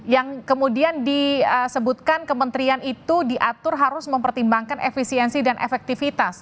yang kemudian disebutkan kementerian itu diatur harus mempertimbangkan efisiensi dan efektivitas